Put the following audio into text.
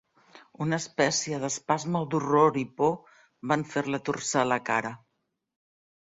Una espècie d'espasme d'horror i por van fer-la torçar la cara.